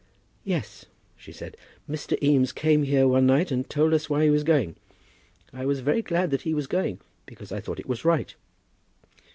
"Yes," she said; "Mr. Eames came here one night and told us why he was going. I was very glad that he was going, because I thought it was right."